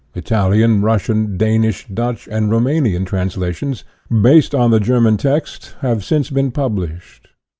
Ital ian, Russian, Danish, Dutch, and Roumanian translations, based upon the German text, have since been published.